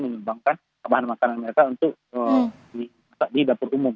menyumbangkan bahan makanan mereka untuk di dapur umum